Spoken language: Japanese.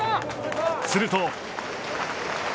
すると。